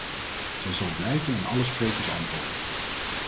Zij zal blijven en alle sprekers antwoorden.